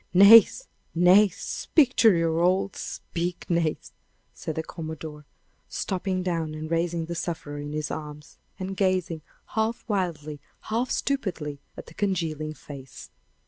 Nace! Nace! speak to your old speak, Nace!" cried the commodore, stooping down and raising the sufferer in his arms, and gazing, half wildly, half stupidly, at the congealing face.